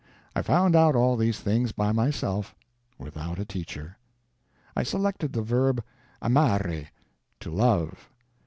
I found out all these things by myself, without a teacher. I selected the verb _amare, to love.